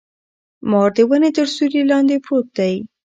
مار د ونې تر سیوري لاندي پروت دی.